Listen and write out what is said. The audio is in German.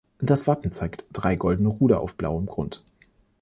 Das Wappen zeigt drei goldene Ruder auf blauem Grund.